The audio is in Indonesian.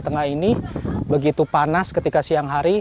tengah ini begitu panas ketika siang hari